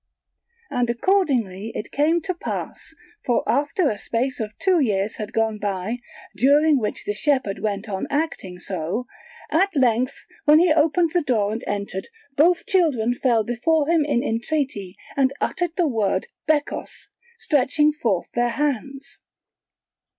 And accordingly it came to pass; for after a space of two years had gone by, during which the shepherd went on acting so, at length, when he opened the door and entered, both children fell before him in entreaty and uttered the word bekos, stretching forth their hands.